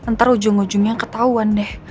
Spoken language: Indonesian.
ntar ujung ujungnya ketahuan deh